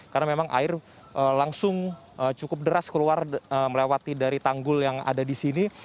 karena memang air langsung cukup deras keluar melewati dari tanggul yang ada di sini